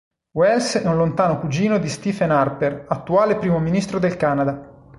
Wells è un lontano cugino di Stephen Harper, attuale primo ministro del Canada.